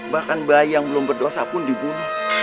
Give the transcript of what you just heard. bahkan bayi yang belum berdosa pun dibunuh